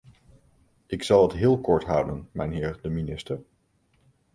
Ik zal het heel kort houden, mijnheer de minister.